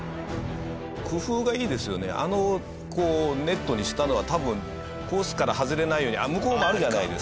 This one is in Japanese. あのネットにしたのは多分コースから外れないように向こうもあるじゃないですか。